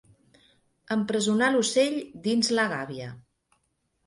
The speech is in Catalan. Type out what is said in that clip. Empresonar l'ocell dins la gàbia.